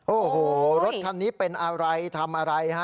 โอ้โหรถคันนี้เป็นอะไรทำอะไรฮะ